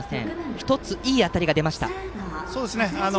１つ、いい当たりが出ました。